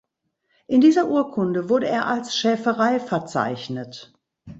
In dieser Urkunde wurde er als Schäferei verzeichnet.